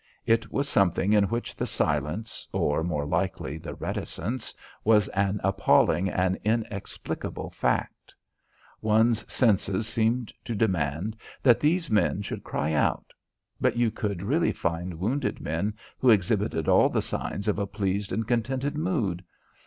It was something in which the silence or, more likely, the reticence was an appalling and inexplicable fact. One's senses seemed to demand that these men should cry out. But you could really find wounded men who exhibited all the signs of a pleased and contented mood.